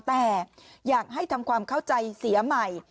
แต่อยากให้ทำความเข้าใจเสียใหม่